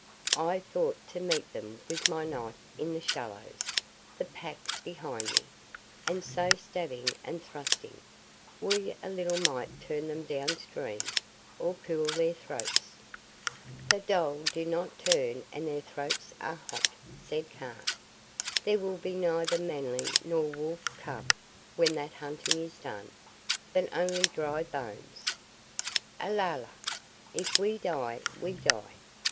I thought to meet them with my knife in the shallows, the Pack behind me; and so stabbing and thrusting, we a little might turn them down stream, or cool their throats." "The dhole do not turn and their throats are hot," said Kaa. "There will be neither Manling nor Wolf cub when that hunting is done, but only dry bones." "Alala! If we die, we die.